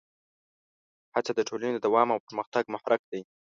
هڅه د ټولنې د دوام او پرمختګ محرک ده.